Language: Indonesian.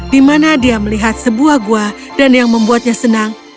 di mana dia melihat sebuah gua dan yang membuatnya senang